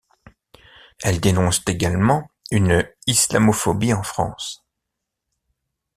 Elle dénonce également une islamophobie en France.